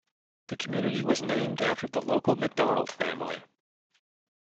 The community was named after the local McDonald family.